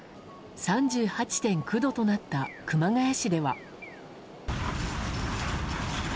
３８．９度となった熊谷市では。